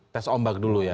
tes ombak dulu ya